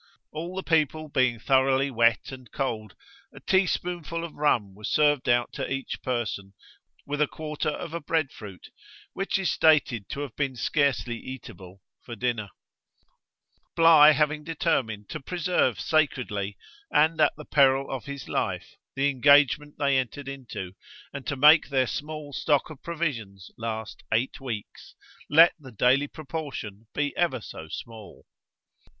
All the people being thoroughly wet and cold, a teaspoonful of rum was served out to each person, with a quarter of a bread fruit, which is stated to have been scarcely eatable, for dinner; Bligh having determined to preserve sacredly, and at the peril of his life, the engagement they entered into, and to make their small stock of provisions last eight weeks, let the dally proportion be ever so small.